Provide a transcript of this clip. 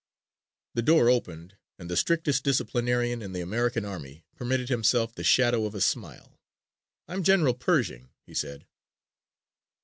The door opened and the strictest disciplinarian in the American army permitted himself the shadow of a smile. "I'm General Pershing," he said.